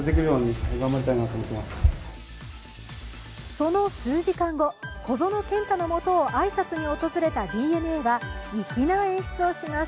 その数時間後、小園健太のもとを挨拶に訪れたＤｅＮＡは、粋な演出をします。